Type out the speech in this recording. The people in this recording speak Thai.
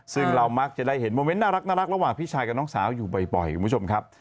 ซึ่งเรามักจะได้เห็นโมเมนต์น่ารักระหว่างพี่ชายกับน้องสาวอยู่บ่อยคุณผู้ชมครับ